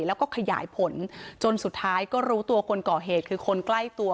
แล้วก็ขยายผลจนสุดท้ายก็รู้ตัวคนก่อเหตุคือคนใกล้ตัว